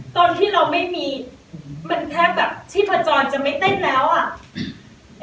ตอนที่เราไม่มีมันแทบแบบชีพจรจะไม่เต้นแล้วอ่ะ